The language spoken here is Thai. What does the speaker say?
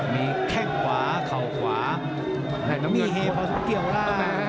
มีแข้งขวาเข่าขวามีเฮพาสุดเกี่ยวล่ะ